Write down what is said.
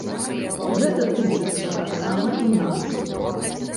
Гэта тычыцца таксама і нас.